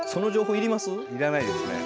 要らないですね。